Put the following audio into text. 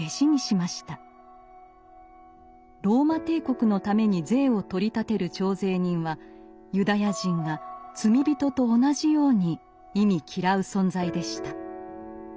ローマ帝国のために税を取り立てる徴税人はユダヤ人が罪人と同じように忌み嫌う存在でした。